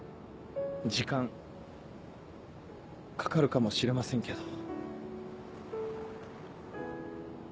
時間かかるかもしれませんけど。